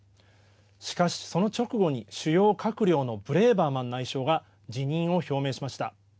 しかし、その直後に主要閣僚のブレーバーマン内相が辞任を表明しました。